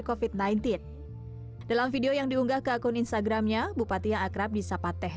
kofit sembilan belas dalam video yang diunggah ke akun instagramnya bupati yang akrab di sapateh